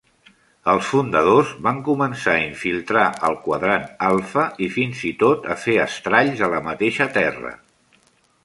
El fundadors van començar a infiltrar el quadrant alfa, i fins i tot a fer estralls a la mateixa Terra.